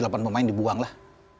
tujuh delapan pemain dibuang lah